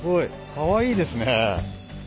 かわいいですね。